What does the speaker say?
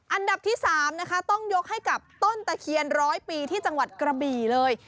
อันดับที่๓นะคะต้องยกให้กับต้นตะเคียนร้อยปีที่จังหวัดกระบี่เลย